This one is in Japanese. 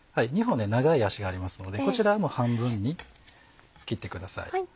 ２本長い足がありますのでこちらはもう半分に切ってください。